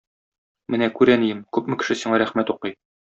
Менә күр, әнием, күпме кеше сиңа рәхмәт укый!